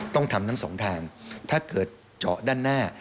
ต้องทำทั้งสองทางถ้าเกิดเจาะด้านหน้า